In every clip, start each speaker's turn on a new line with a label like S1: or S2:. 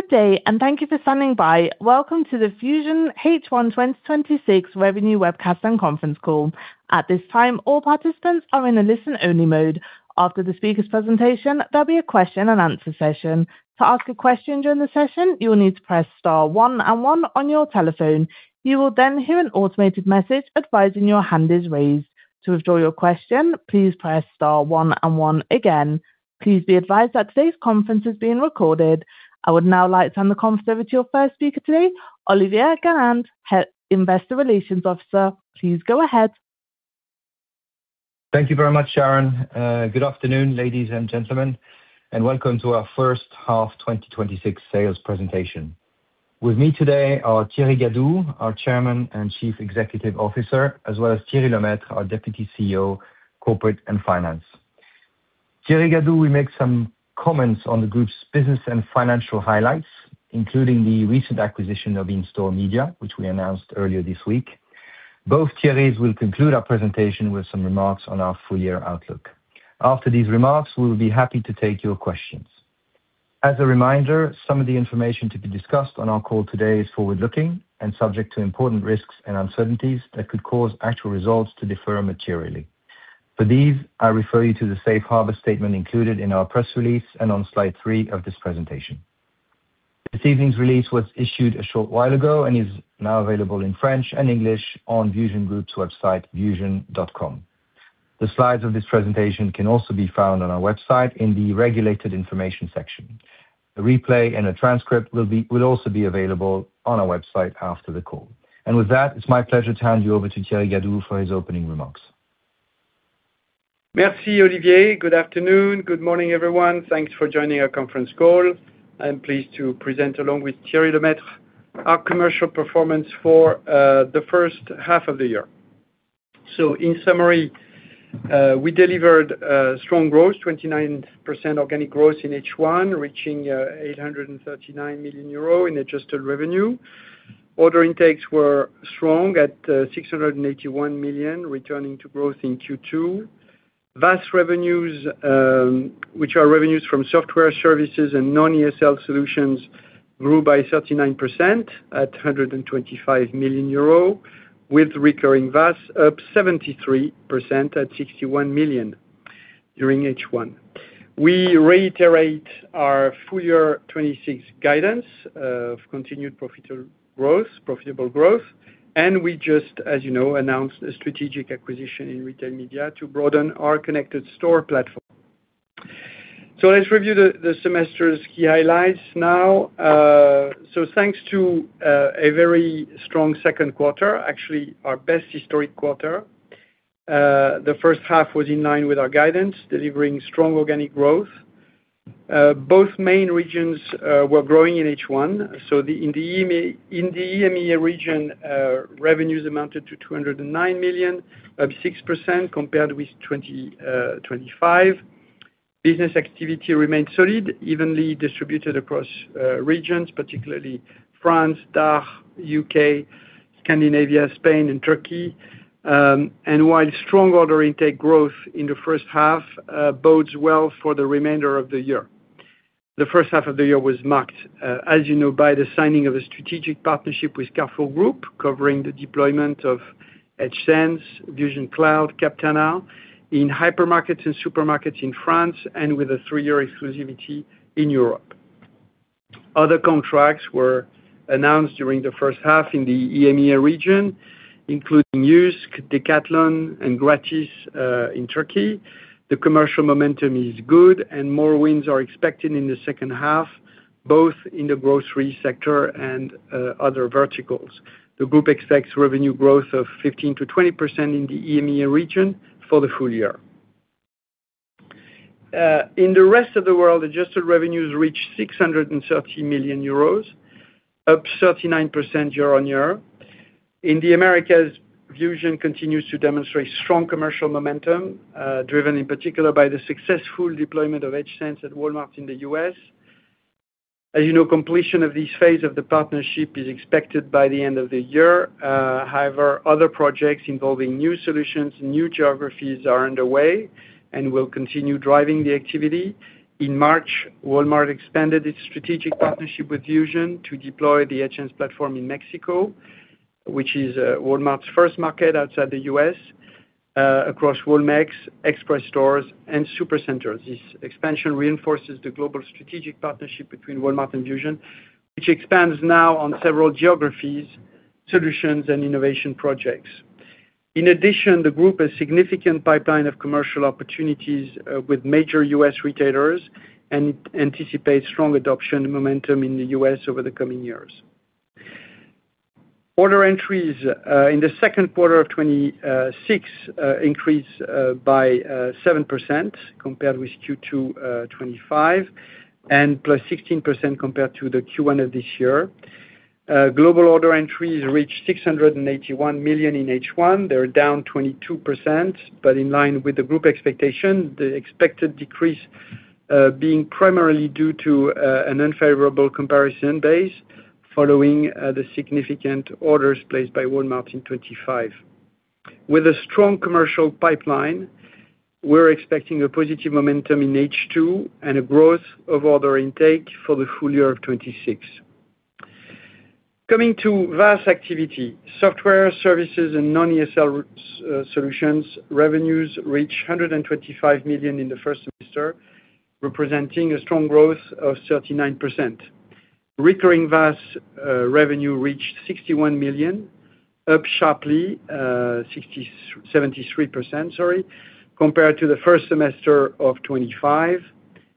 S1: Good day. Thank you for standing by. Welcome to the VusionGroup H1 2026 Revenue Webcast and Conference Call. At this time, all participants are in a listen-only mode. After the speaker's presentation, there will be a question and answer session. To ask a question during the session, you will need to press star one and one on your telephone. You will then hear an automated message advising your hand is raised. To withdraw your question, please press star one and one again. Please be advised that today's conference is being recorded. I would now like to hand the conference over to your first speaker today, Olivier Garand, Head Investor Relations Officer. Please go ahead.
S2: Thank you very much, Sharon. Good afternoon, ladies and gentlemen. Welcome to our first half 2026 sales presentation. With me today are Thierry Gadou, our Chairman and Chief Executive Officer, as well as Thierry Lemaitre, our Deputy CEO, corporate and finance. Thierry Gadou will make some comments on the group's business and financial highlights, including the recent acquisition of In-Store Media, which we announced earlier this week. Both Thierrys will conclude our presentation with some remarks on our full year outlook. After these remarks, we will be happy to take your questions. As a reminder, some of the information to be discussed on our call today is forward-looking and subject to important risks and uncertainties that could cause actual results to differ materially. For these, I refer you to the safe harbor statement included in our press release and on slide three of this presentation. This evening's release was issued a short while ago and is now available in French and English on VusionGroup's website, vusion.com. The slides of this presentation can also be found on our website in the Regulated Information section. A replay and a transcript will also be available on our website after the call. With that, it's my pleasure to hand you over to Thierry Gadou for his opening remarks.
S3: Merci, Olivier. Good afternoon. Good morning, everyone. Thanks for joining our conference call. I'm pleased to present, along with Thierry Lemaitre, our commercial performance for the first half of the year. In summary, we delivered strong growth, 29% organic growth in H1, reaching 839 million euro in adjusted revenue. Order intakes were strong at 681 million, returning to growth in Q2. VAS revenues, which are revenues from software services and non-ESL solutions, grew by 39% at 125 million euro, with recurring VAS up 73% at 61 million during H1. We reiterate our full year 2026 guidance of continued profitable growth. We just, as you know, announced a strategic acquisition in retail media to broaden our connected store platform. Let's review the semester's key highlights now. Thanks to a very strong second quarter, actually our best historic quarter, the first half was in line with our guidance, delivering strong organic growth. Both main regions were growing in H1. In the EMEA region, revenues amounted to 209 million, up 6% compared with 2025. Business activity remained solid, evenly distributed across regions, particularly France, DACH, U.K., Scandinavia, Spain, and Turkey. While strong order intake growth in the first half bodes well for the remainder of the year. The first half of the year was marked, as you know, by the signing of a strategic partnership with Carrefour Group, covering the deployment of Edge Sense, VusionCloud, Captana in hypermarkets and supermarkets in France and with a three-year exclusivity in Europe. Other contracts were announced during the first half in the EMEA region, including JYSK, Decathlon, and Gratis in Turkey. The commercial momentum is good and more wins are expected in the second half, both in the grocery sector and other verticals. The group expects revenue growth of 15%-20% in the EMEA region for the full year. In the rest of the world, adjusted revenues reached 630 million euros, up 39% year-on-year. In the Americas, Vusion continues to demonstrate strong commercial momentum, driven in particular by the successful deployment of Edge Sense at Walmart in the U.S. As you know, completion of this phase of the partnership is expected by the end of the year. However, other projects involving new solutions, new geographies are underway and will continue driving the activity. In March, Walmart expanded its strategic partnership with Vusion to deploy the Edge Sense platform in Mexico, which is Walmart's first market outside the U.S., across Walmex Express stores and supercenters. This expansion reinforces the global strategic partnership between Walmart and Vusion, which expands now on several geographies, solutions, and innovation projects. In addition, the group has significant pipeline of commercial opportunities with major U.S. retailers and anticipates strong adoption momentum in the U.S. over the coming years. Order entries in the second quarter of 2026 increased by 7% compared with Q2 2025 and plus 16% compared to the Q1 of this year. Global order entries reached 681 million in H1. They're down 22%, but in line with the group expectation, the expected decrease being primarily due to an unfavorable comparison base following the significant orders placed by Walmart in 2025. With a strong commercial pipeline, we're expecting a positive momentum in H2 and a growth of order intake for the full year of 2026. Coming to VAS activity, software services and non-ESL solutions revenues reached 125 million in the first semester, representing a strong growth of 39%. Recurring VAS revenue reached 61 million, up sharply 73%, compared to the first semester of 2025,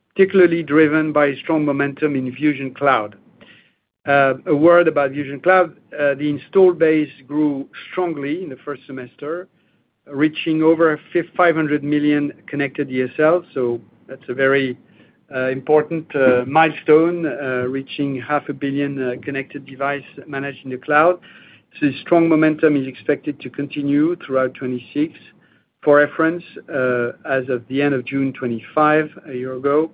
S3: particularly driven by strong momentum in VusionCloud. A word about VusionCloud. The install base grew strongly in the first semester, reaching over 500 million connected ESL. That's a very important milestone, reaching half a billion connected device managed in the cloud. Strong momentum is expected to continue throughout 2026. For reference, as of the end of June 2025, a year ago,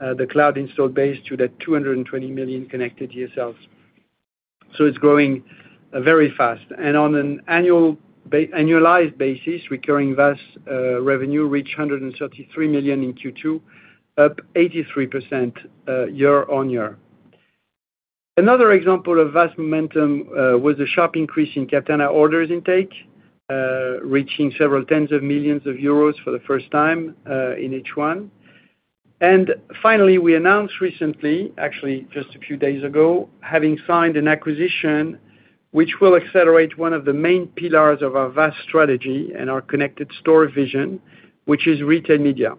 S3: the cloud installed base stood at 220 million connected ESLs. It's growing very fast. On an annualized basis, recurring VAS revenue reached 133 million in Q2, up 83% year-on-year. Another example of VAS momentum was the sharp increase in Captana orders intake, reaching several tens of millions of EUR for the first time in H1. Finally, we announced recently, actually just a few days ago, having signed an acquisition which will accelerate one of the main pillars of our VAS strategy and our connected store vision, which is retail media.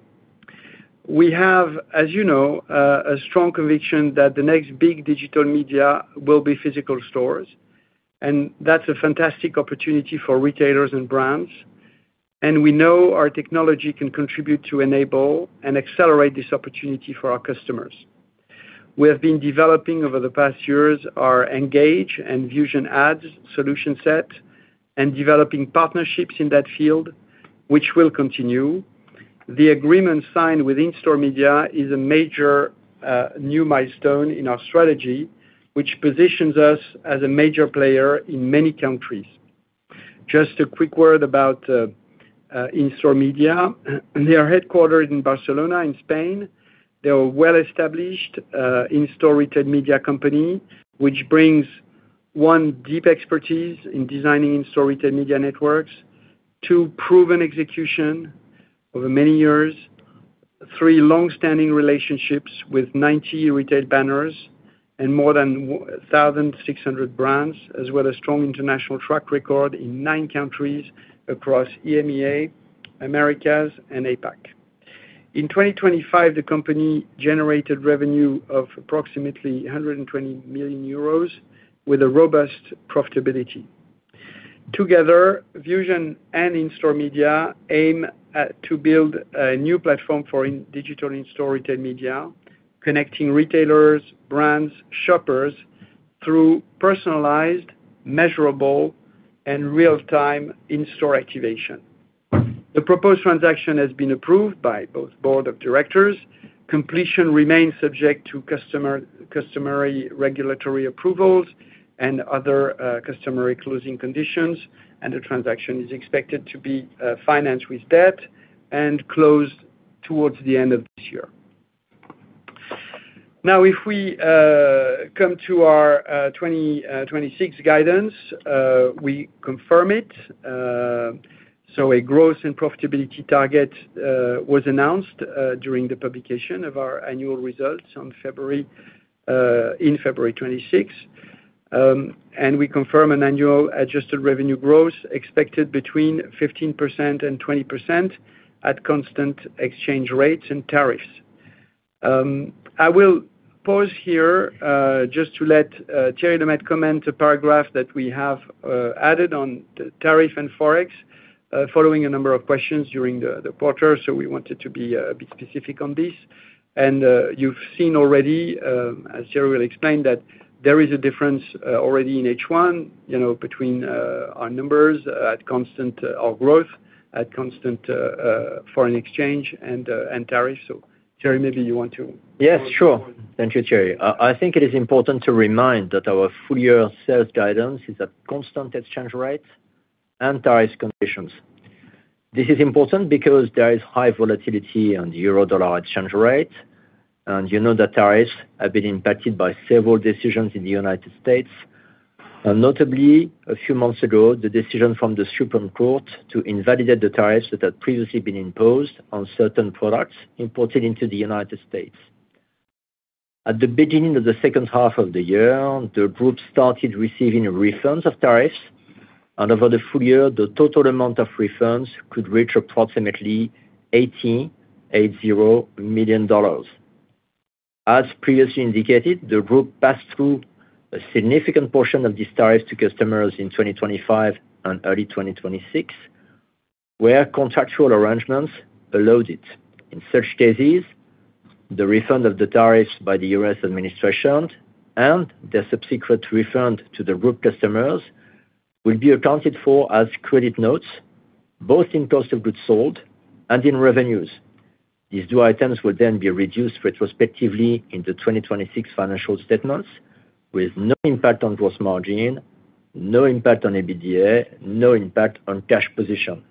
S3: We have, as you know, a strong conviction that the next big digital media will be physical stores, and that's a fantastic opportunity for retailers and brands. We know our technology can contribute to enable and accelerate this opportunity for our customers. We have been developing over the past years our Engage and Vusion Ads solution set developing partnerships in that field, which will continue. The agreement signed with In-Store Media is a major new milestone in our strategy, which positions us as a major player in many countries. Just a quick word about In-Store Media. They are headquartered in Barcelona, Spain. They are a well-established in-store retail media company, which brings, one, deep expertise in designing in-store retail media networks. Two, proven execution over many years. Three, long-standing relationships with 90 retail banners and more than 1,600 brands, as well as strong international track record in nine countries across EMEA, Americas and APAC. In 2025, the company generated revenue of approximately 120 million euros with a robust profitability. Together, Vusion and In-Store Media aim to build a new platform for digital in-store retail media, connecting retailers, brands, shoppers through personalized, measurable and real-time in-store activation. The proposed transaction has been approved by both board of directors. Completion remains subject to customary regulatory approvals and other customary closing conditions, and the transaction is expected to be financed with debt and closed towards the end of this year. Now, if we come to our 2026 guidance, we confirm it. So a growth and profitability target was announced during the publication of our annual results in February 2026. We confirm an annual adjusted revenue growth expected between 15%-20% at constant exchange rates and tariffs. I will pause here just to let Thierry Lemaitre comment a paragraph that we have added on tariff and Forex following a number of questions during the quarter. We wanted to be a bit specific on this. You've seen already, as Thierry will explain, that there is a difference already in H1, between our growth at constant foreign exchange and tariff. Thierry, maybe you want to-
S4: Yes, sure. Thank you, Thierry. I think it is important to remind that our full-year sales guidance is at constant exchange rates and tariffs conditions. This is important because there is high volatility on the euro-dollar exchange rate, and you know that tariffs have been impacted by several decisions in the U.S. Notably, a few months ago, the decision from the Supreme Court to invalidate the tariffs that had previously been imposed on certain products imported into the U.S. At the beginning of the second half of the year, the group started receiving refunds of tariffs, and over the full year, the total amount of refunds could reach approximately $80 million. As previously indicated, the group passed through a significant portion of these tariffs to customers in 2025 and early 2026, where contractual arrangements allowed it. In such cases, the refund of the tariffs by the U.S. administration and their subsequent refund to the group customers will be accounted for as credit notes, both in cost of goods sold and in revenues. These two items will then be reduced retrospectively into 2026 financial statements with no impact on gross margin, no impact on EBITDA, no impact on cash position.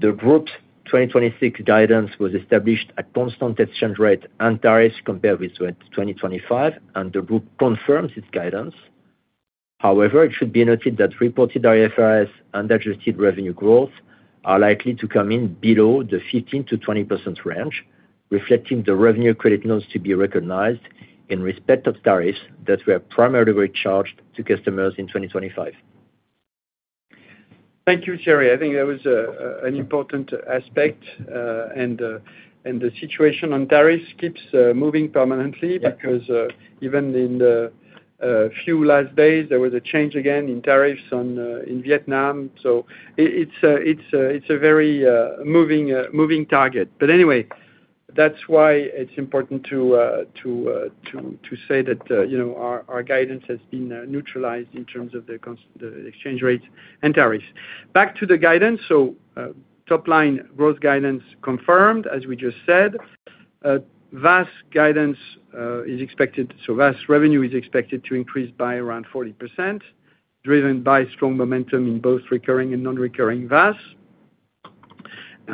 S4: The group's 2026 guidance was established at constant exchange rate and tariffs compared with 2025. The group confirms its guidance. However, it should be noted that reported IFRS and adjusted revenue growth are likely to come in below the 15%-20% range, reflecting the revenue credit notes to be recognized in respect of tariffs that were primarily charged to customers in 2025.
S3: Thank you, Thierry. I think that was an important aspect. The situation on tariffs keeps moving permanently.
S4: Yeah
S3: Even in the few last days, there was a change again in tariffs in Vietnam. It's a very moving target. Anyway, that's why it's important to say that our guidance has been neutralized in terms of the exchange rate and tariffs. Back to the guidance. Top line growth guidance confirmed, as we just said. VAS revenue is expected to increase by around 40%, driven by strong momentum in both recurring and non-recurring VAS.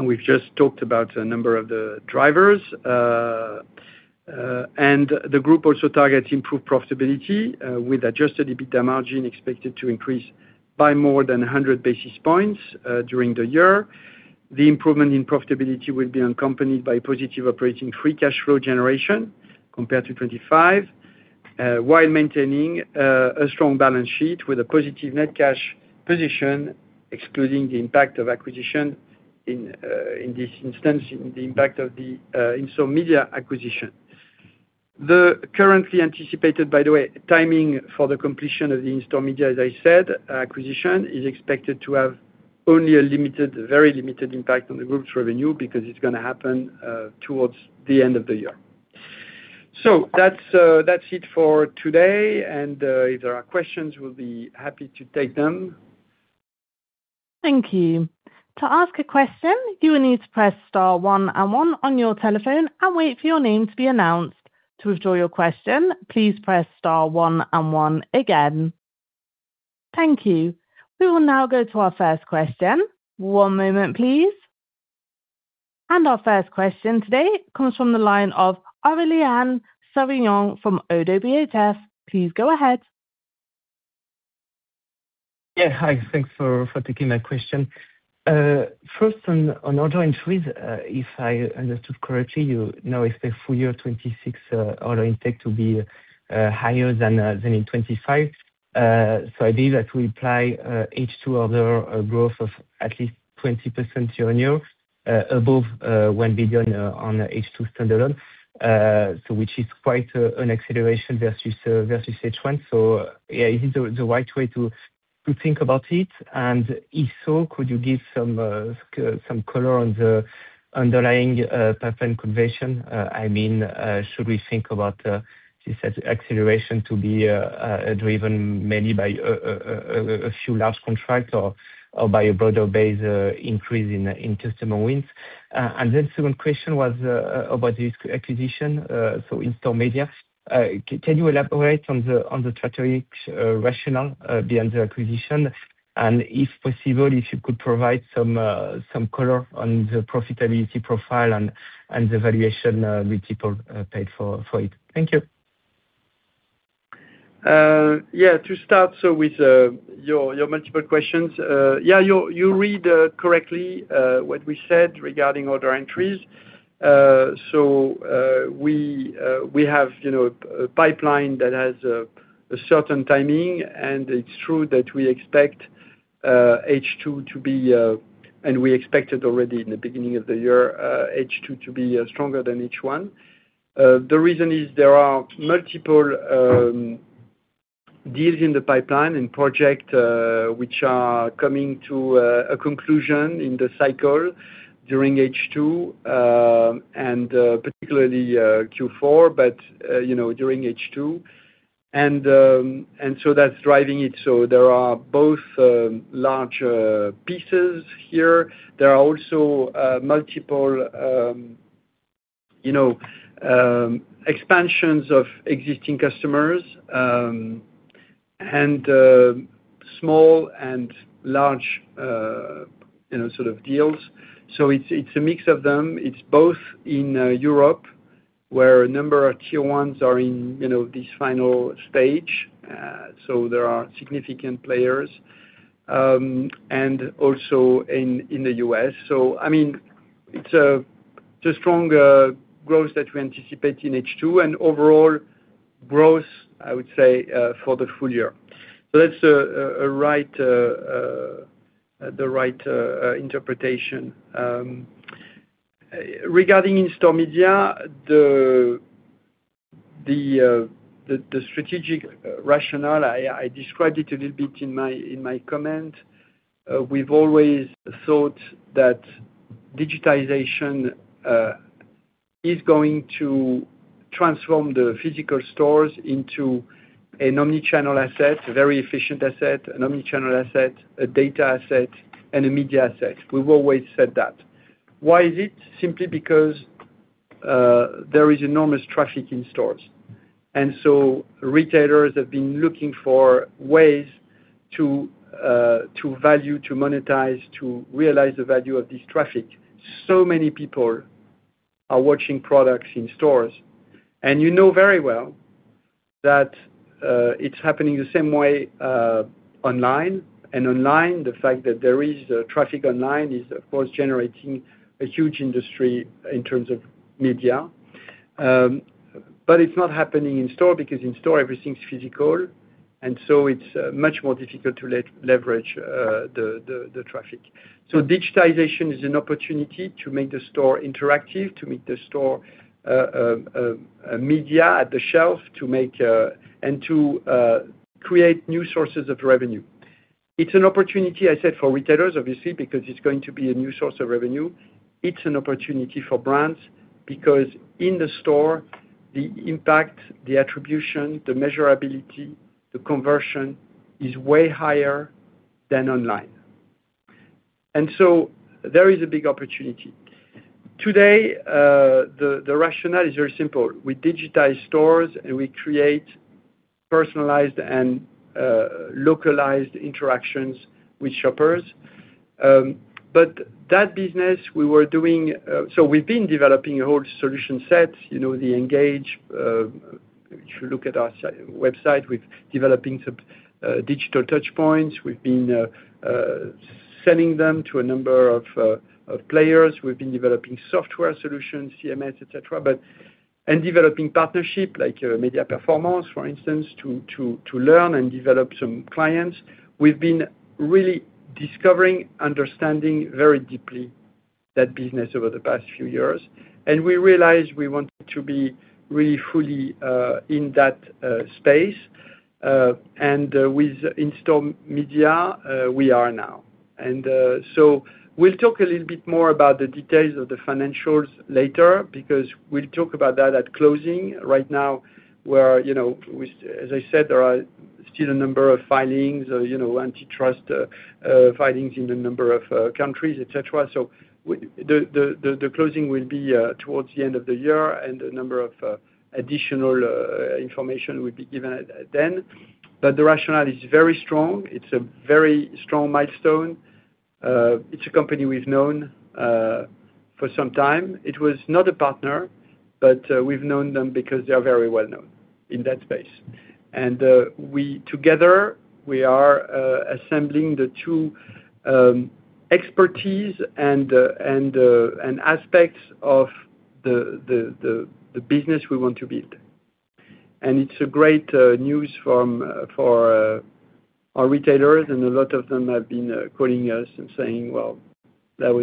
S3: We've just talked about a number of the drivers. The group also targets improved profitability with adjusted EBITDA margin expected to increase by more than 100 basis points during the year. The improvement in profitability will be accompanied by positive operating free cash flow generation compared to 2025, while maintaining a strong balance sheet with a positive net cash position, excluding the impact of acquisition, in this instance, the impact of the In-Store Media acquisition. The currently anticipated, by the way, timing for the completion of the In-Store Media, as I said, acquisition, is expected to have only a very limited impact on the group's revenue because it's going to happen towards the end of the year. That's it for today, and if there are questions, we'll be happy to take them.
S1: Thank you. To ask a question, you will need to press star one and one on your telephone and wait for your name to be announced. To withdraw your question, please press star one and one again. Thank you. We will now go to our first question. One moment, please. Our first question today comes from the line of Aurélien Savignon from Oddo BHF. Please go ahead.
S5: Hi. Thanks for taking my question. First, on order entries, if I understood correctly, you now expect full year 2026 order intake to be higher than in 2025. I believe that will imply H2 order growth of at least 20% year-on-year above 1 billion on H2 standalone, which is quite an acceleration versus H1. Is it the right way to think about it? If so, could you give some color on the underlying pipeline conversion? Should we think about this acceleration to be driven mainly by a few large contracts or by a broader base increase in customer wins? Second question was about this acquisition. In-Store Media. Can you elaborate on the strategic rationale behind the acquisition? If possible, if you could provide some color on the profitability profile and the valuation with people paid for it. Thank you.
S3: To start with your multiple questions. You read correctly what we said regarding order entries. We have a pipeline that has a certain timing, and it's true that we expect H2 to be, and we expected already in the beginning of the year, H2 to be stronger than H1. The reason is there are multiple deals in the pipeline and project, which are coming to a conclusion in the cycle during H2, and particularly Q4, but during H2. That's driving it. There are both large pieces here. There are also multiple expansions of existing customers, and small and large deals. It's a mix of them. It's both in Europe, where a number of tier 1s are in this final stage. There are significant players. Also in the U.S. It's a strong growth that we anticipate in H2, and overall growth, I would say, for the full year. That's the right interpretation. Regarding In-Store Media, the strategic rationale, I described it a little bit in my comment. We've always thought that digitization is going to transform the physical stores into an omni-channel asset, a very efficient asset, an omni-channel asset, a data asset, and a media asset. We've always said that. Why is it? Simply because there is enormous traffic in stores. Retailers have been looking for ways to value, to monetize, to realize the value of this traffic. Many people are watching products in stores. You know very well that it's happening the same way online. Online, the fact that there is traffic online is, of course, generating a huge industry in terms of media. It's not happening in-store, because in-store, everything's physical, so it's much more difficult to leverage the traffic. Digitization is an opportunity to make the store interactive, to make the store a media at the shelf, and to create new sources of revenue. It's an opportunity, I said, for retailers, obviously, because it's going to be a new source of revenue. It's an opportunity for brands, because in the store, the impact, the attribution, the measurability, the conversion is way higher than online. There is a big opportunity. Today, the rationale is very simple. We digitize stores. We create personalized and localized interactions with shoppers. That business we were doing. We've been developing a whole solution set, the Engage. If you look at our website, we're developing some digital touchpoints. We've been selling them to a number of players. We've been developing software solutions, CMS, et cetera, and developing partnership, like Médiaperformances, for instance, to learn and develop some clients. We've been really discovering, understanding very deeply that business over the past few years. We realized we wanted to be really fully in that space. With In-Store Media, we are now. We'll talk a little bit more about the details of the financials later, because we'll talk about that at closing. Right now, as I said, there are still a number of filings, antitrust filings in a number of countries, et cetera. The closing will be towards the end of the year, and a number of additional information will be given then. The rationale is very strong. It's a very strong milestone. It's a company we've known for some time. It was not a partner. We've known them because they are very well-known in that space. Together, we are assembling the two expertise and aspects of the business we want to build. It's a great news for our retailers, and a lot of them have been calling us and saying, "Well, that's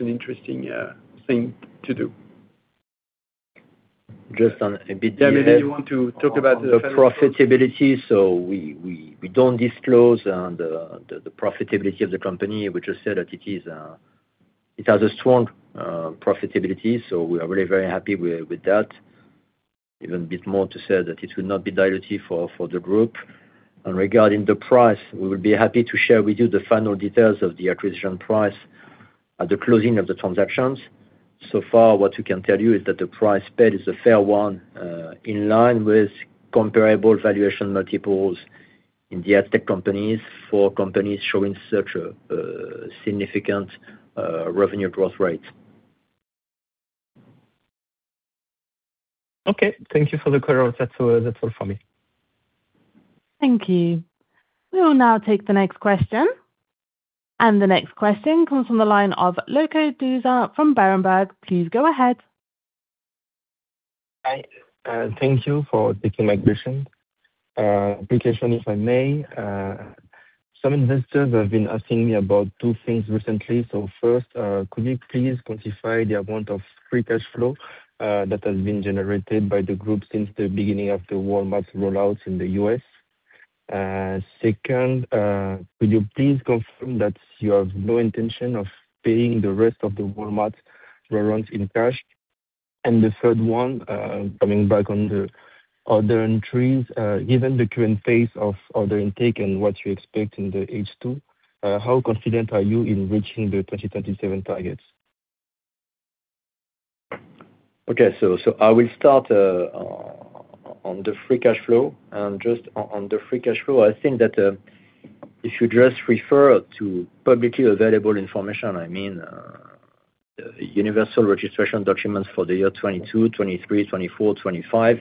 S3: an interesting thing to do.
S4: Just on a bit ahead.
S3: Yeah, maybe you want to talk about the profitability.
S4: On the profitability. We don't disclose the profitability of the company. We just say that it has a strong profitability, so we are really very happy with that. Even a bit more to say that it will not be dilutive for the group. Regarding the price, we will be happy to share with you the final details of the acquisition price at the closing of the transactions. So far, what we can tell you is that the price paid is a fair one, in line with comparable valuation multiples in the tech companies for companies showing such a significant revenue growth rate.
S5: Okay. Thank you for the clarity. That's all for me.
S1: Thank you. We will now take the next question. The next question comes from the line of Loko Dusa from Berenberg. Please go ahead.
S6: Hi. Thank you for taking my question. Quick question, if I may. Some investors have been asking me about two things recently. First, could you please quantify the amount of free cash flow that has been generated by the group since the beginning of the Walmart rollouts in the U.S.? Second, could you please confirm that you have no intention of paying the rest of the Walmart's rollouts in cash? The third one, coming back on the order entries. Given the current phase of order intake and what you expect in the H2, how confident are you in reaching the 2027 targets?
S4: I will start on the free cash flow. Just on the free cash flow, I think that if you just refer to publicly available information, I mean, universal registration documents for the year 2022, 2023, 2024, 2025.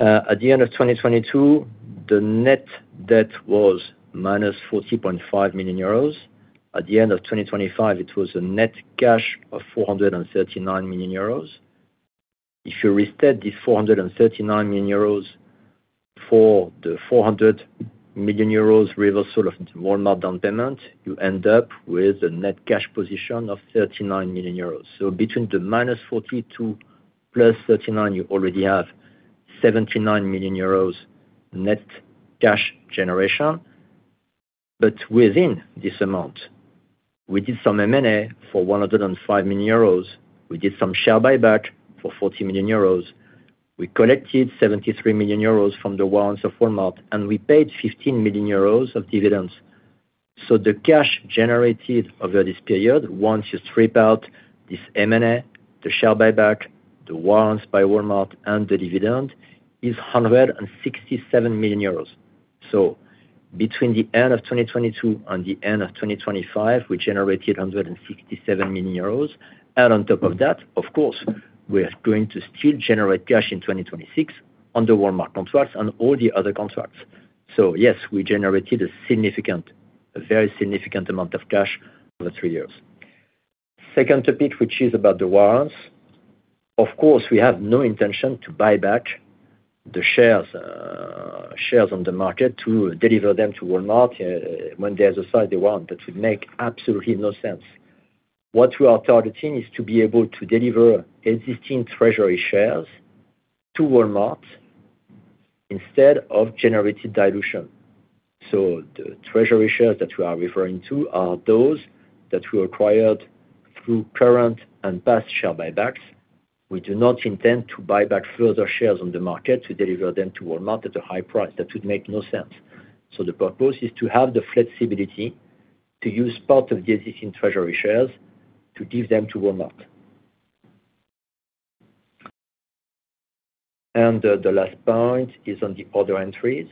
S4: At the end of 2022, the net debt was -€40.5 million. At the end of 2025, it was a net cash of €439 million. If you restate this €439 million for the €400 million reversal of the Walmart down payment, you end up with a net cash position of €39 million. Between the -40 to +39, you already have €79 million net cash generation. Within this amount, we did some M&A for 105 million euros. We did some share buyback for 40 million euros. We collected 73 million euros from the warrants of Walmart, we paid 15 million euros of dividends. The cash generated over this period, once you strip out this M&A, the share buyback, the warrants by Walmart, the dividend, is 167 million euros. Between the end of 2022 and the end of 2025, we generated 167 million euros. On top of that, of course, we are going to still generate cash in 2026 on the Walmart contracts and all the other contracts. Yes, we generated a very significant amount of cash over three years. Second topic, which is about the warrants. Of course, we have no intention to buy back the shares on the market to deliver them to Walmart when they decide they want. That would make absolutely no sense. What we are targeting is to be able to deliver existing treasury shares to Walmart instead of generated dilution. The treasury shares that we are referring to are those that we acquired through current and past share buybacks. We do not intend to buy back further shares on the market to deliver them to Walmart at a high price. That would make no sense. The purpose is to have the flexibility to use part of the existing treasury shares to give them to Walmart. The last point is on the order entries.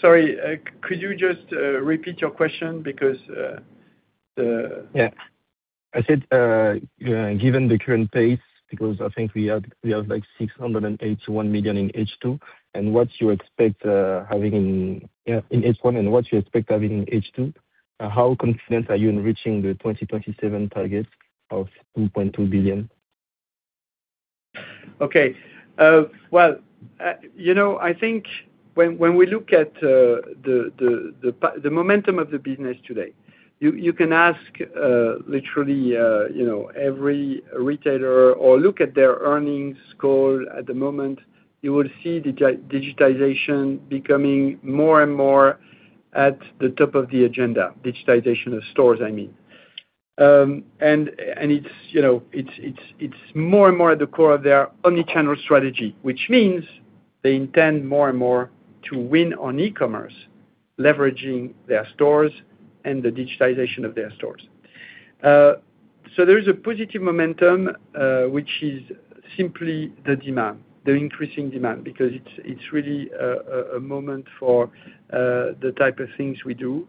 S3: Sorry, could you just repeat your question.
S6: I said, given the current pace, because I think we have 681 million in H2, and what you expect having in H1 and what you expect having in H2, how confident are you in reaching the 2027 targets of EUR 2.2 billion?
S3: Well, I think when we look at the momentum of the business today, you can ask literally every retailer or look at their earnings call at the moment, you will see digitization becoming more and more at the top of the agenda. Digitization of stores, I mean. It's more and more at the core of their omnichannel strategy, which means they intend more and more to win on e-commerce, leveraging their stores and the digitization of their stores. There is a positive momentum, which is simply the demand, the increasing demand, because it's really a moment for the type of things we do.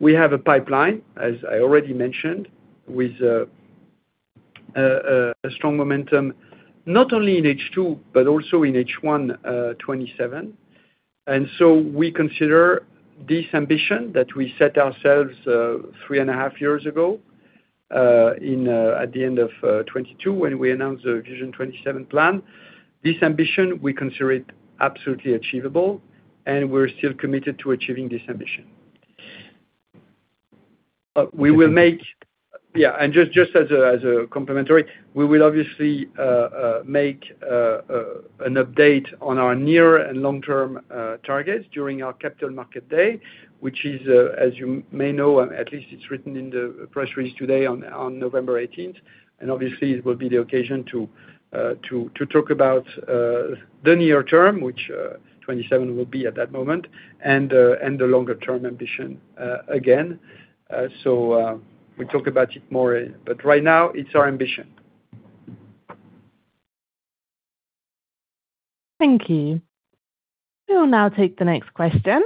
S3: We have a pipeline, as I already mentioned, with a strong momentum, not only in H2, but also in H1 2027. We consider this ambition that we set ourselves three and a half years ago, at the end of 2022 when we announced the Vusion '27 plan. This ambition, we consider it absolutely achievable, and we're still committed to achieving this ambition. We will obviously make an update on our near and long-term targets during our capital market day, which is, as you may know, at least it's written in the press release today on November 18th. Obviously it will be the occasion to talk about the near term, which 2027 will be at that moment, and the longer-term ambition again. We'll talk about it more, but right now it's our ambition.
S1: Thank you. We will now take the next question.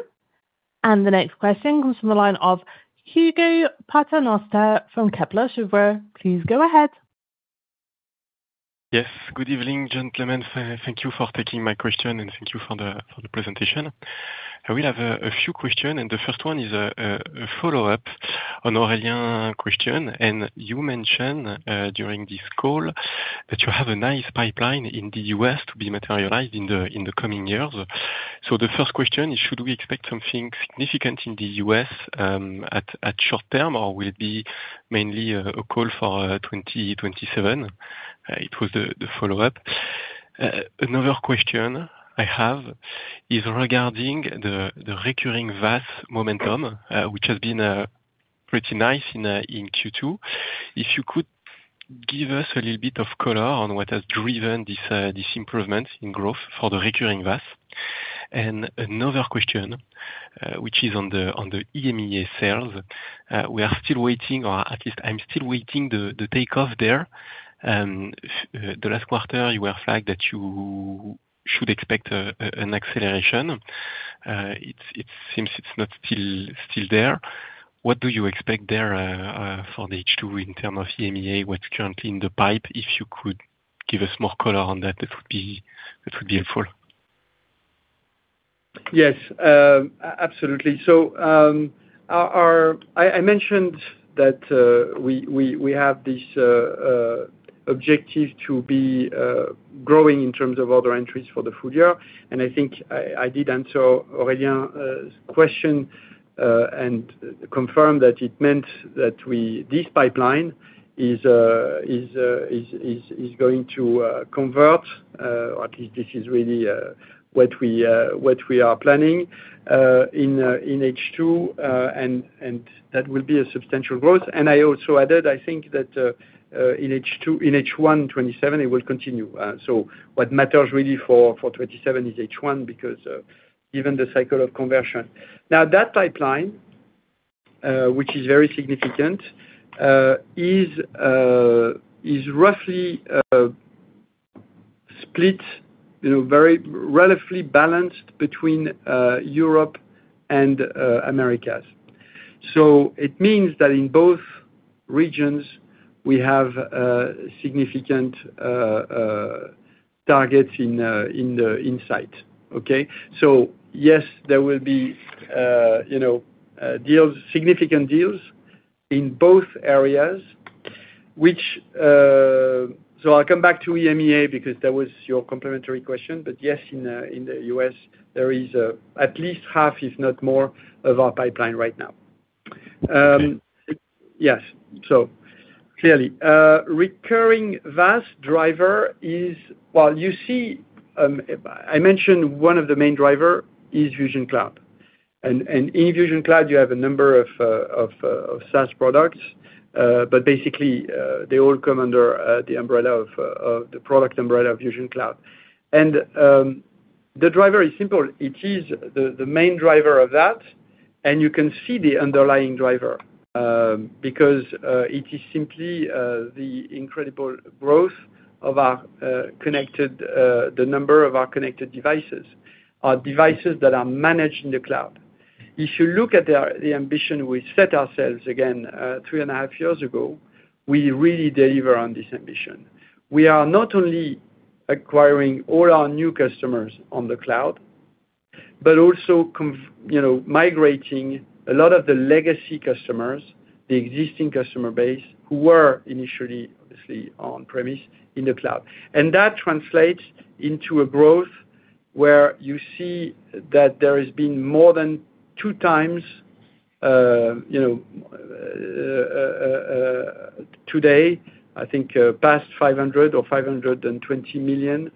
S1: The next question comes from the line of Hugo Paternoster from Kepler Cheuvreux. Please go ahead.
S7: Good evening, Jean, Clément. Thank you for taking my question, thank you for the presentation. I have a few question. The first one is a follow-up on Aurélien question. You mentioned during this call that you have a nice pipeline in the U.S. to be materialized in the coming years. The first question is, should we expect something significant in the U.S. at short term, or will it be mainly a call for 2027? It was the follow-up. Another question I have is regarding the recurring VAS momentum, which has been pretty nice in Q2. If you could give us a little bit of color on what has driven this improvement in growth for the recurring VAS. Another question, which is on the EMEA sales. We are still waiting, or at least I'm still waiting the takeoff there. The last quarter you were flagged that you should expect an acceleration. It seems it's not still there. What do you expect there for the H2 in term of EMEA? What's currently in the pipe? If you could give us more color on that, it would be helpful.
S3: Yes. Absolutely. I mentioned that we have this objective to be growing in terms of order entries for the full year. I think I did answer Aurélien's question and confirmed that it meant that this pipeline is going to convert. At least this is really what we are planning in H2, and that will be a substantial growth. I also added, I think that in H1 2027, it will continue. What matters really for 2027 is H1, because given the cycle of conversion. Now, that pipeline, which is very significant, is roughly split, very relatively balanced between Europe and Americas. It means that in both regions, we have significant targets in sight. Okay? Yes, there will be significant deals in both areas. I'll come back to EMEA because that was your complementary question. Yes, in the U.S., there is at least half, if not more, of our pipeline right now.
S7: Okay.
S3: Clearly. Recurring VAS driver is, well, you see, I mentioned one of the main driver is VusionCloud. In VusionCloud, you have a number of SaaS products. Basically, they all come under the product umbrella of VusionCloud. The driver is simple. It is the main driver of that, and you can see the underlying driver, because it is simply the incredible growth of the number of our connected devices, our devices that are managed in the cloud. If you look at the ambition we set ourselves again 3 and a half years ago, we really deliver on this ambition. We are not only acquiring all our new customers on the cloud, but also migrating a lot of the legacy customers, the existing customer base, who were initially, obviously, on-premise in the cloud. That translates into a growth where you see that there has been more than two times today, I think, past 500 million or 520 million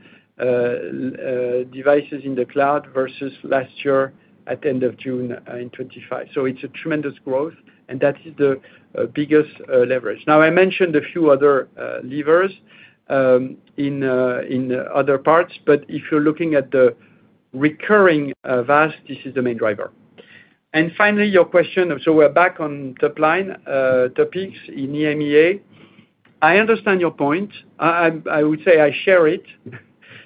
S3: devices in the cloud versus last year at the end of June in 2025. It's a tremendous growth, and that is the biggest leverage. Now, I mentioned a few other levers in other parts, but if you're looking at the recurring VAS, this is the main driver. Finally, your question, we're back on top line topics in EMEA. I understand your point. I would say I share it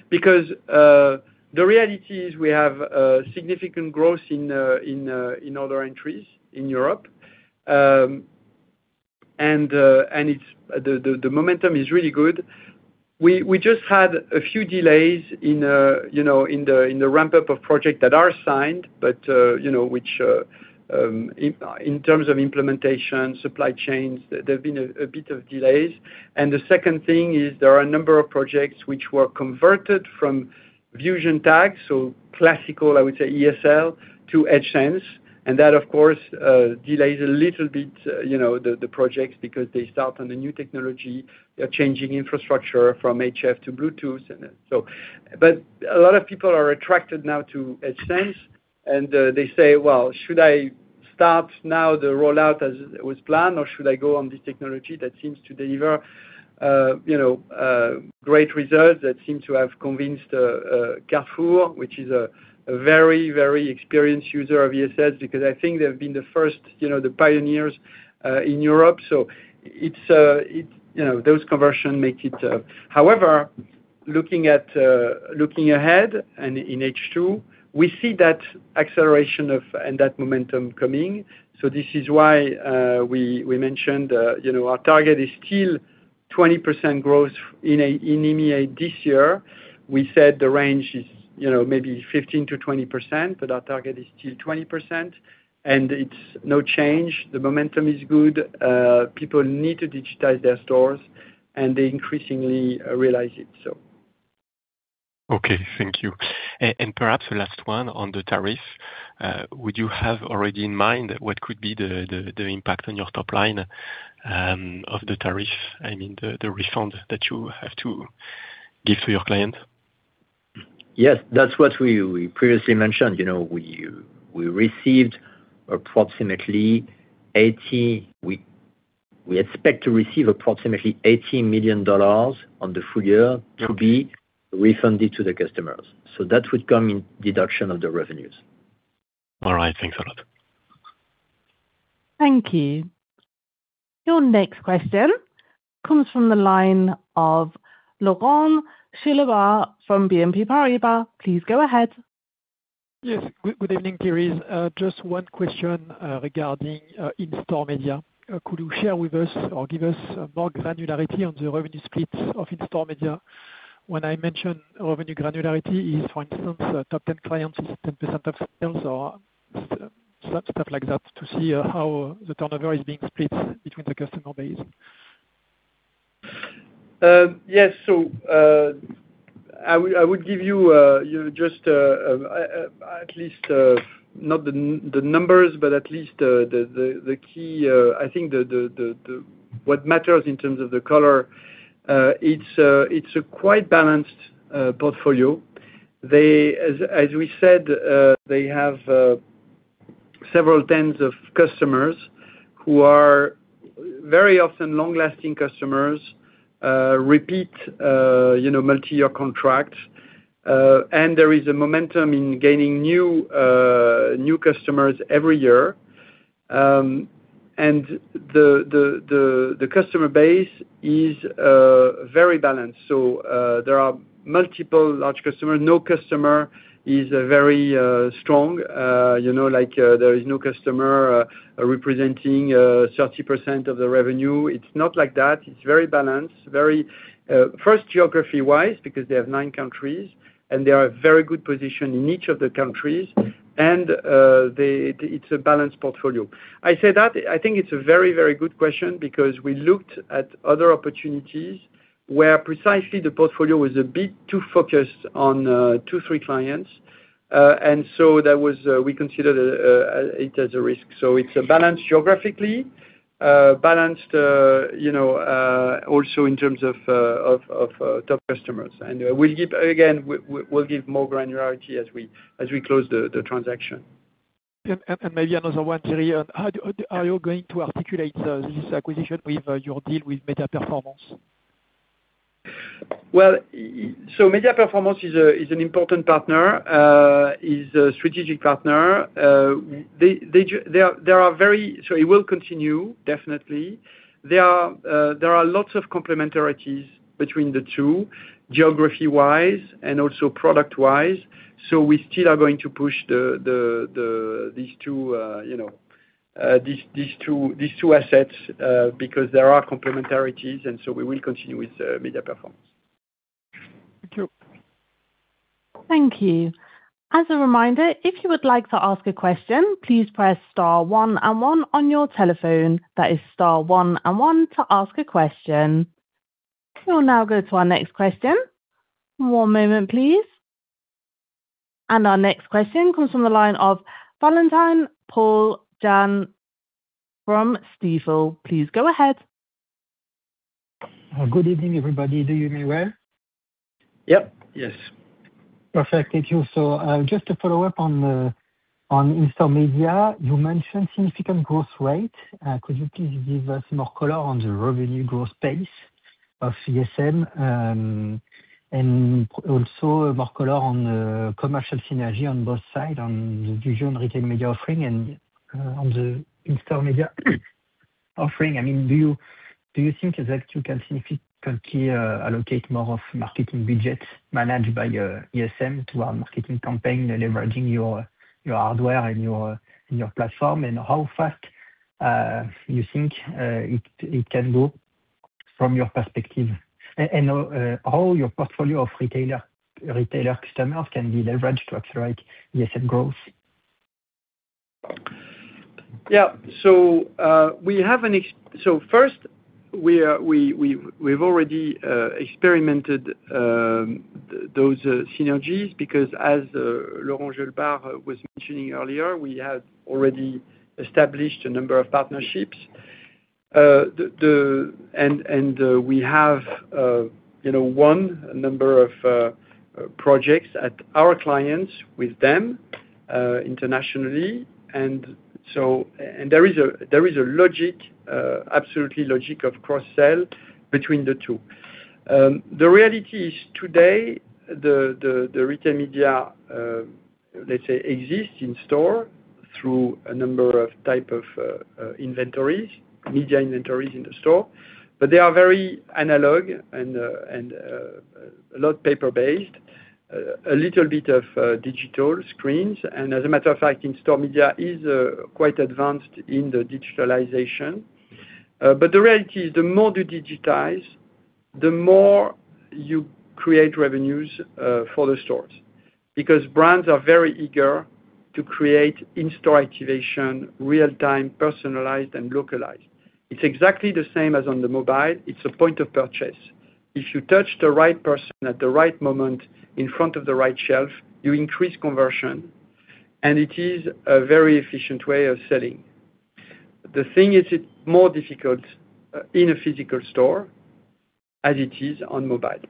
S3: because the reality is we have significant growth in order entries in Europe. The momentum is really good. We just had a few delays in the ramp-up of project that are signed, but which in terms of implementation, supply chains, there have been a bit of delays. The second thing is there are a number of projects which were converted from Vusion tags, so classical, I would say, ESL to EdgeSense. That, of course, delays a little bit the projects because they start on the new technology. They're changing infrastructure from HF to Bluetooth. A lot of people are attracted now to EdgeSense, and they say, "Well, should I start now the rollout as was planned, or should I go on this technology that seems to deliver great results, that seem to have convinced Carrefour?" Which is a very, very experienced user of ESL, because I think they've been the first, the pioneers in Europe. Those conversion make it. However, looking ahead and in H2, we see that acceleration and that momentum coming. This is why we mentioned our target is still 20% growth in EMEA this year. We said the range is maybe 15%-20%, our target is still 20%. It's no change. The momentum is good. People need to digitize their stores, and they increasingly realize it.
S7: Okay, thank you. Perhaps the last one on the tariff. Would you have already in mind what could be the impact on your top line of the tariff? I mean, the refund that you have to give to your client?
S3: Yes, that's what we previously mentioned. We expect to receive approximately $80 million on the full year to be refunded to the customers. That would come in deduction of the revenues.
S7: All right. Thanks a lot.
S1: Thank you. Your next question comes from the line of Laurent Daure from BNP Paribas. Please go ahead.
S8: Yes. Good evening, Thierry. Just one question regarding In-Store Media. Could you share with us or give us more granularity on the revenue split of In-Store Media? When I mention revenue granularity is, for instance, top 10 clients is 10% of sales or stuff like that to see how the turnover is being split between the customer base.
S3: Yes. I would give you just at least not the numbers, but at least the key. I think what matters in terms of the color, it's a quite balanced portfolio. As we said, they have several tens of customers who are very often long-lasting customers, repeat multi-year contracts. There is a momentum in gaining new customers every year. The customer base is very balanced. There are multiple large customers. No customer is very strong. There is no customer representing 30% of the revenue. It's not like that. It's very balanced. First, geography-wise, because they have nine countries, and they are very good position in each of the countries. It's a balanced portfolio. I say that, I think it's a very good question because we looked at other opportunities where precisely the portfolio was a bit too focused on two, three clients. We considered it as a risk. It's balanced geographically, balanced also in terms of top customers. We'll give, again, we'll give more granularity as we close the transaction.
S8: Maybe another one, Thierry. How are you going to articulate this acquisition with your deal with Médiaperformances?
S3: Médiaperformances is an important partner, is a strategic partner. It will continue, definitely. There are lots of complementarities between the two, geography-wise and also product-wise. We still are going to push these two assets because there are complementarities, and so we will continue with Médiaperformances.
S8: Thank you.
S1: Thank you. As a reminder, if you would like to ask a question, please press star 1 and 1 on your telephone. That is star 1 and 1 to ask a question. We'll now go to our next question. One moment, please. Our next question comes from the line of Valentin-Paul Jahan from Stifel. Please go ahead.
S9: Good evening, everybody. Do you hear me well?
S3: Yep. Yes.
S9: Perfect. Thank you. Just to follow up on In-Store Media, you mentioned significant growth rate. Could you please give us more color on the revenue growth pace of ISM? Also more color on the commercial synergy on both sides, on the Vusion retail media offering and on the In-Store Media offering? Do you think that you can significantly allocate more of marketing budgets managed by ISM to our marketing campaign, leveraging your hardware and your platform? How fast you think it can go from your perspective? How your portfolio of retailer customers can be leveraged to accelerate ISM growth?
S3: First, we've already experimented those synergies because as Laurent Daure was mentioning earlier, we had already established a number of partnerships. We have one number of projects at our clients with them internationally. There is absolutely logic of cross-sell between the two. The reality is today, the retail media, let's say, exists in store through a number of type of inventories, media inventories in the store. They are very analog and a lot paper-based, a little bit of digital screens. As a matter of fact, In-Store Media is quite advanced in the digitalization. The reality is the more you digitize, the more you create revenues for the stores. Because brands are very eager to create in-store activation, real-time, personalized, and localized. It's exactly the same as on the mobile. It's a point of purchase. If you touch the right person at the right moment in front of the right shelf, you increase conversion. It is a very efficient way of selling. The thing is, it's more difficult in a physical store as it is on mobile.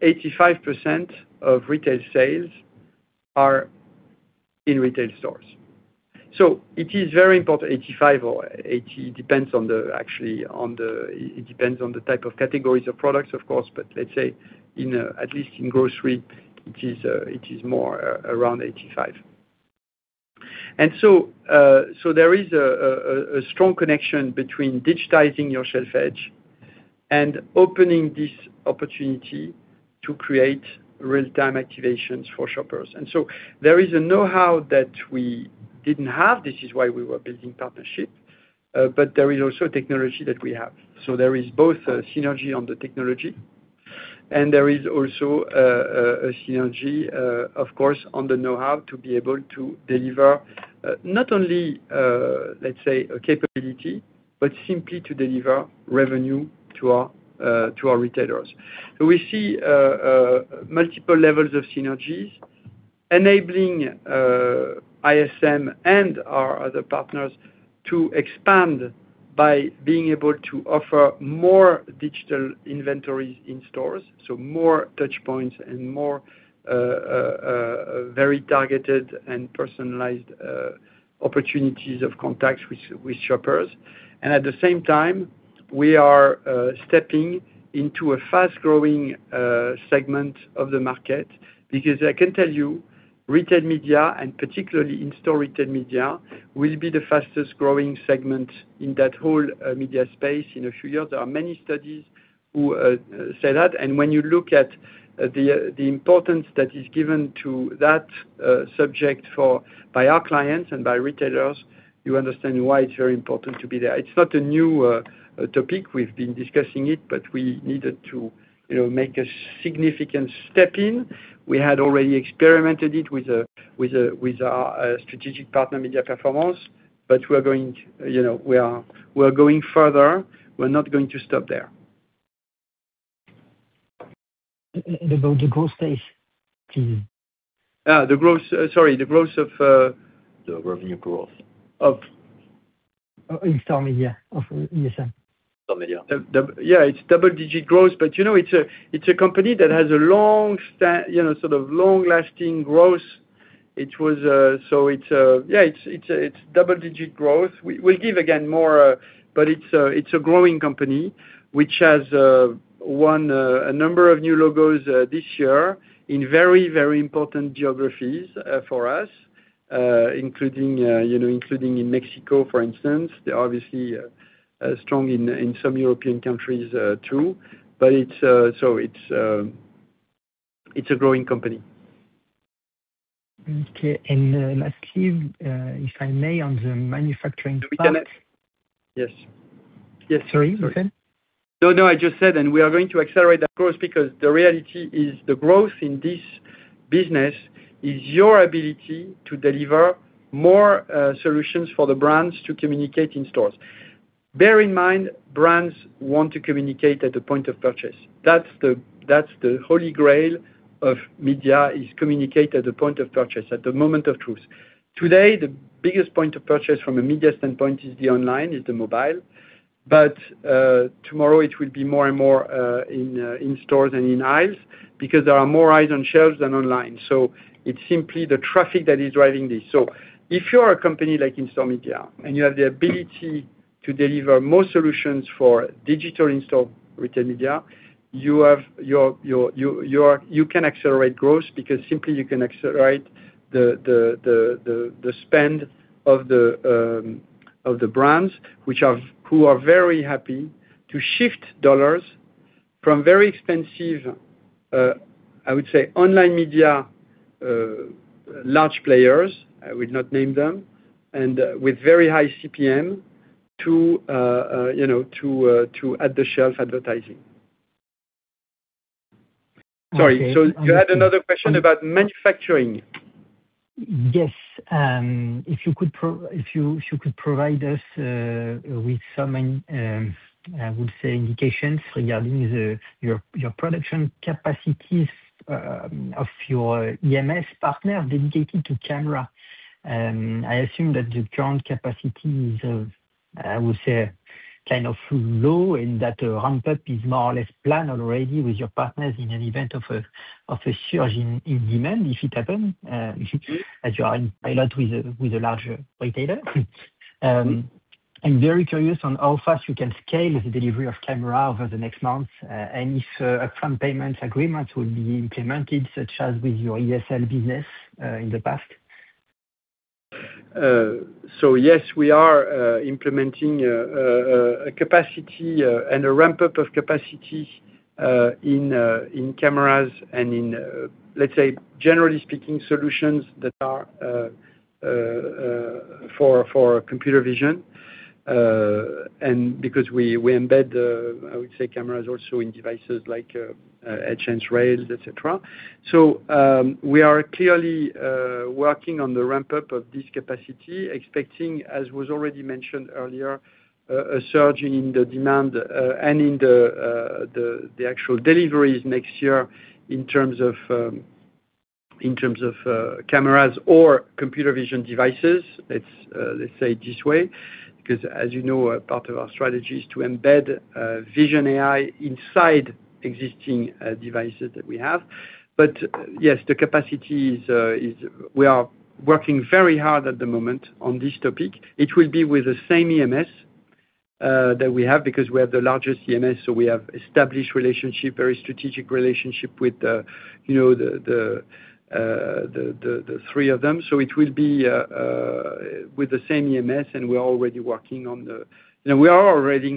S3: 85% of retail sales are in retail stores. It is very important, 85% or 80%, it depends on the type of categories of products, of course, but let's say at least in grocery, it is more around 85. There is a strong connection between digitizing your shelf edge and opening this opportunity to create real-time activations for shoppers. There is a know-how that we didn't have. This is why we were building partnership. There is also technology that we have. There is both a synergy on the technology and there is also a synergy, of course, on the know-how to be able to deliver not only, let's say, a capability, but simply to deliver revenue to our retailers. We see multiple levels of synergies enabling ISM and our other partners to expand by being able to offer more digital inventories in stores, so more touchpoints and more very targeted and personalized opportunities of contacts with shoppers. At the same time, we are stepping into a fast-growing segment of the market, because I can tell you, retail media, and particularly in-store retail media, will be the fastest-growing segment in that whole media space in a few years. There are many studies who say that. When you look at the importance that is given to that subject by our clients and by retailers, you understand why it's very important to be there. It's not a new topic. We've been discussing it, we needed to make a significant step in. We had already experimented it with our strategic partner, Médiaperformances, we are going further. We're not going to stop there.
S9: About the growth pace, please.
S3: Sorry, the growth of.
S9: The revenue growth.
S3: Of-
S9: In-Store Media of ISM.
S3: Yeah, it's double-digit growth, but it's a company that has a sort of long-lasting growth. It's double-digit growth. We'll give again more, but it's a growing company which has won a number of new logos this year in very important geographies for us, including in Mexico, for instance. They're obviously strong in some European countries too. It's a growing company.
S9: Okay. Lastly, if I may, on the manufacturing part-
S3: Yes.
S9: Sorry, you said?
S3: No, I just said, we are going to accelerate that growth because the reality is the growth in this business is your ability to deliver more solutions for the brands to communicate in stores. Bear in mind, brands want to communicate at the point of purchase. That's the holy grail of media, is communicate at the point of purchase, at the moment of truth. Today, the biggest point of purchase from a media standpoint is the online, is the mobile. Tomorrow it will be more and more in stores and in aisles because there are more eyes on shelves than online. It's simply the traffic that is driving this. If you are a company like In-Store Media and you have the ability to deliver more solutions for digital in-store retail media, you can accelerate growth because simply you can accelerate the spend of the brands who are very happy to shift dollars from very expensive online media large players, I will not name them, and with very high CPM to at the shelf advertising. Sorry. You had another question about manufacturing.
S9: Yes. If you could provide us with some indications regarding your production capacities of your EMS partner dedicated to camera. I assume that the current capacity is kind of low and that a ramp-up is more or less planned already with your partners in an event of a surge in demand if it happens, as you are in pilot with a large retailer. I am very curious on how fast you can scale the delivery of camera over the next months, and if upfront payments agreements will be implemented such as with your ESL business in the past.
S3: Yes, we are implementing a capacity and a ramp-up of capacity in cameras and in, let's say, generally speaking, solutions that are for computer vision. Because we embed cameras also in devices like EdgeSense, et cetera. We are clearly working on the ramp-up of this capacity, expecting, as was already mentioned earlier, a surge in the demand and in the actual deliveries next year in terms of cameras or computer vision devices. Let's say it this way, because as you know, part of our strategy is to embed Vision AI inside existing devices that we have. Yes, the capacity is. We are working very hard at the moment on this topic. It will be with the same EMS that we have, because we have the largest EMS, so we have established relationship, very strategic relationship with the three of them. It will be with the same EMS. We are already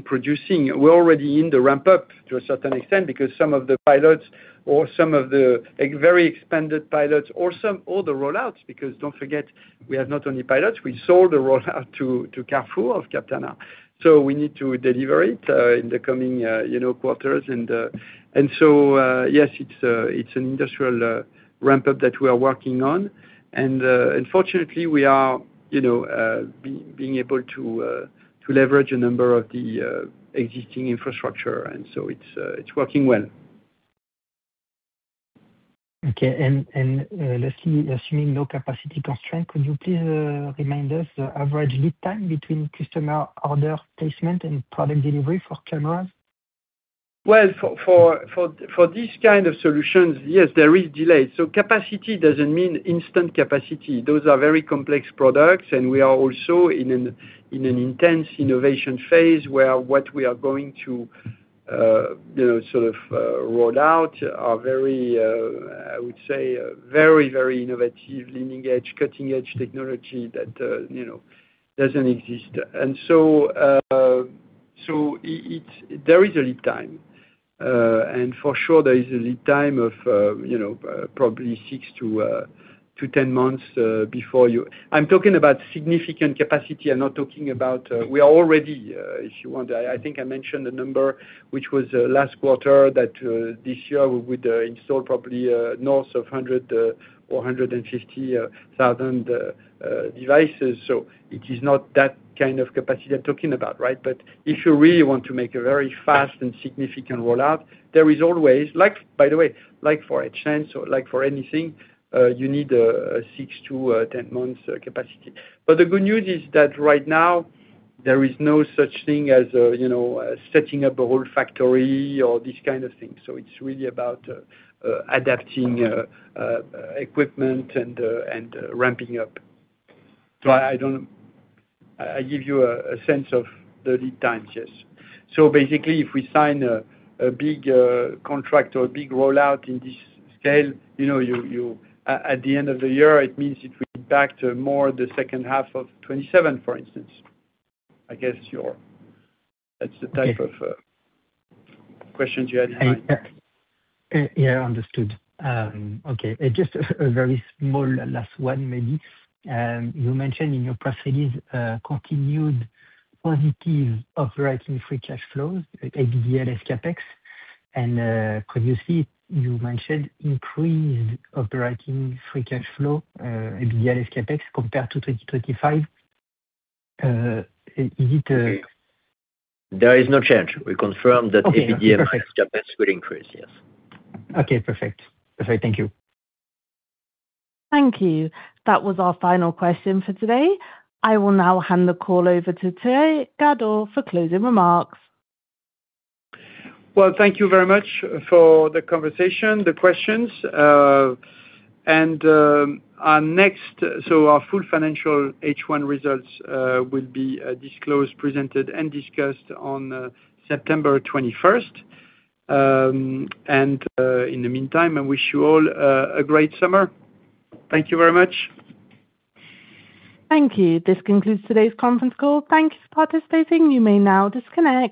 S3: in the ramp-up to a certain extent because some of the pilots or some of the very expanded pilots or the roll-outs, because don't forget, we have not only pilots, we sold the rollout to Carrefour of Captana. We need to deliver it in the coming quarters. Yes, it's an industrial ramp-up that we are working on. Fortunately, we are being able to leverage a number of the existing infrastructure. It's working well.
S9: Okay, lastly, assuming no capacity constraint, could you please remind us the average lead time between customer order placement and product delivery for cameras?
S3: Well, for this kind of solutions, yes, there is delay. Capacity does not mean instant capacity. Those are very complex products, and we are also in an intense innovation phase, where what we are going to roll out are very innovative, leading edge, cutting-edge technology that does not exist. There is a lead time. For sure, there is a lead time of probably six to 10 months. I'm talking about significant capacity. If you want, I think I mentioned the number, which was last quarter, that this year we would install probably north of 100 or 150,000 devices. It is not that kind of capacity I'm talking about, right? If you really want to make a very fast and significant rollout, by the way, like for a chance or like for anything, you need six to 10 months capacity. The good news is that right now there is no such thing as setting up a whole factory or this kind of thing. It is really about adapting equipment and ramping up. I give you a sense of the lead times, yes. Basically, if we sign a big contract or a big rollout in this scale, at the end of the year, it means it will be back to more the second half of 2027, for instance. I guess that is the type of questions you had in mind.
S9: Yeah. Understood. Okay. Just a very small last one, maybe. You mentioned in your press release continued positive operating free cash flows, EBITDA less CapEx. Could you see, you mentioned increased operating free cash flow, EBITDA less CapEx compared to 2025. Is it-
S3: There is no change. We confirm that.
S9: Okay. Perfect.
S3: EBITDA less CapEx will increase. Yes.
S9: Okay, perfect. Thank you.
S1: Thank you. That was our final question for today. I will now hand the call over to Thierry Gadou for closing remarks.
S3: Well, thank you very much for the conversation, the questions. Our full financial H1 results will be disclosed, presented, and discussed on September 21st. In the meantime, I wish you all a great summer. Thank you very much.
S1: Thank you. This concludes today's conference call. Thank you for participating. You may now disconnect.